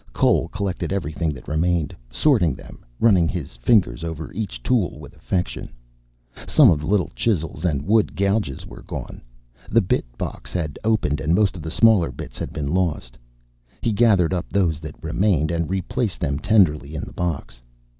Cole collected everything that remained, sorting them, running his fingers over each tool with affection. Some of the little chisels and wood gouges were gone. The bit box had opened, and most of the smaller bits had been lost. He gathered up those that remained and replaced them tenderly in the box.